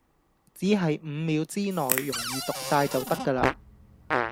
只係五秒之內容易讀哂就得㗎啦